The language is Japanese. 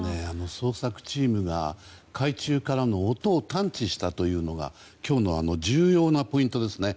捜索チームが海中からの音を探知したというのが今日の重要なポイントですね。